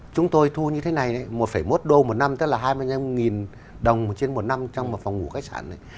chúng tôi thu như thế này một một đô một năm tức là hai mươi năm đồng trên một năm trong một phòng ngủ khách sạn này